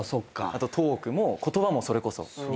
あとトークも言葉もそれこそ。